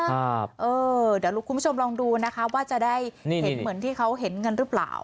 เดี๋ยวคุณผู้ชมลองดูนะคะว่าจะได้เห็นเหมือนที่เขาเห็นกันหรือเปล่า